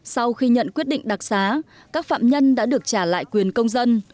sau khi nhận quyết định đặc xá các phạm nhân đã được trả lại quyền công dân